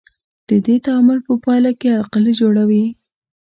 د دې تعامل په پایله کې القلي جوړوي.